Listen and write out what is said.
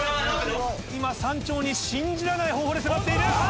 今山頂に信じられない方法で迫っている。